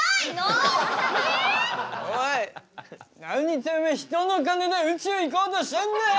おい何てめえ人の金で宇宙行こうとしてんだよ！